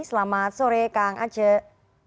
selamat sore kang aceh